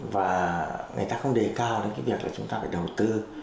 và người ta không đề cao đến cái việc là chúng ta phải đầu tư